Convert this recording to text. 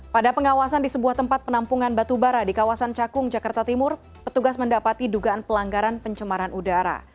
pada pengawasan di sebuah tempat penampungan batubara di kawasan cakung jakarta timur petugas mendapati dugaan pelanggaran pencemaran udara